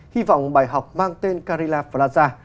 hy vọng bài học mang tên carilla plaza